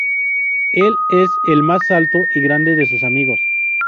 Él es el más alto y grande de sus amigos.